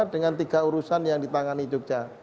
dengan tiga urusan yang ditangani jogja